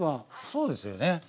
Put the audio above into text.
そうですよね。